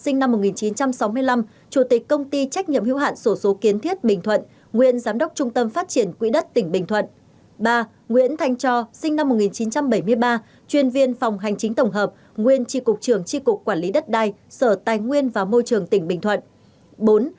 ba nguyễn thanh cho sinh năm một nghìn chín trăm bảy mươi ba chuyên viên phòng hành chính tổng hợp nguyên tri cục trường tri cục quản lý đất đai sở tài nguyên và môi trường tỉnh bình thuận